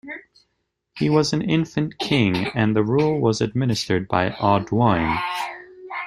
He was an infant king, and the rule was administered by Audoin.